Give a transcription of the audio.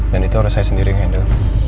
dan itu harus saya sendiri yang handle